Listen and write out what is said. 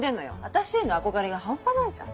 私への憧れが半端ないじゃん。